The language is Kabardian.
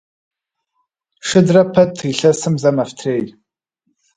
Шыдрэ пэт илъэсым зэ мэфтрей.